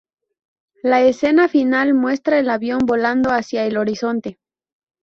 La escena final muestra al avión volando hacia el horizonte.